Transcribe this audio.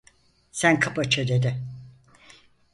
Sen kapa çeneni!